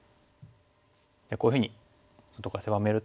こういうふうに外から狭めると。